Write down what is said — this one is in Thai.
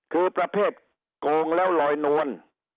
คือประเภทโกงแล้วลอยนวล